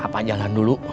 apa jalan dulu